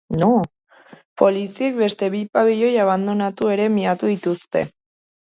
Poliziek beste bi pabilioi abandonatu ere miatu dituzte.